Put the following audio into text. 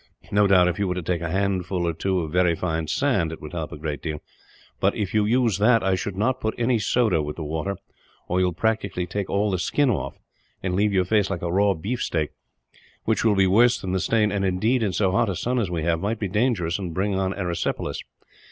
No doubt, if you were to take a handful or two of very fine sand, it would help a great deal; but if you use that, I should not put any soda with the water, or you will practically take all the skin off, and leave your face like a raw beef steak; which will be worse than the stain and, indeed, in so hot a sun as we have, might be dangerous, and bring on erysipelas.